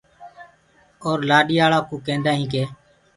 اور لآڏياݪآ ڪوٚ ڪيندآ هينٚ ڪي۔